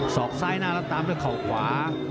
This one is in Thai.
อกซ้ายหน้าแล้วตามด้วยเข่าขวา